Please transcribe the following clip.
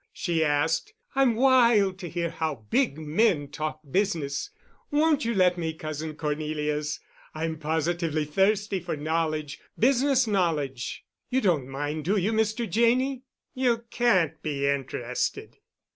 she asked. "I'm wild to hear how big men talk business. Won't you let me, Cousin Cornelius? I'm positively thirsty for knowledge—business knowledge. You' don't mind, do you, Mr. Janney?" "You can't be interested."